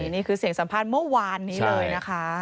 นี่คือเสียงสัมภาษณ์เมื่อวานนี้เลยนะคะ